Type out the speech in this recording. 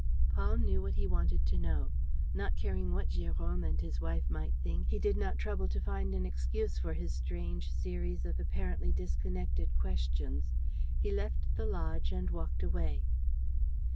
Paul knew what he wanted to know. Not caring what Jérôme and his wife might think, he did not trouble to find an excuse for his strange series of apparently disconnected questions. He left the lodge and walked away.